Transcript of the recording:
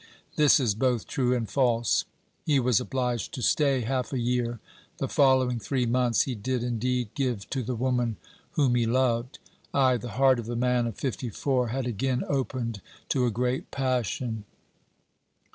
This is both true and false. He was obliged to stay half a year; the following three months he did indeed give to the woman whom he loved. Ay, the heart of the man of fifty four had again opened to a great passion.